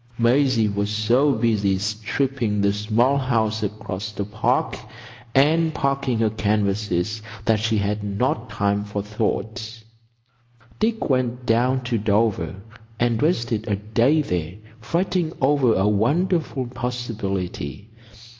Maisie was so busy stripping the small house across the Park, and packing her canvases, that she had not time for thought. Dick went down to Dover and wasted a day there fretting over a wonderful possibility.